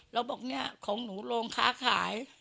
แล้วบอกเนี่ยของหนูลงค้าขาย